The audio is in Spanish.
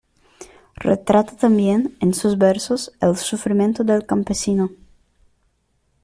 Retrata también, en sus versos, el sufrimiento del campesino.